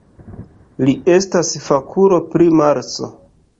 Li estas fakulo pri Marso.